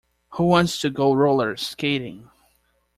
Who wants to go roller skating?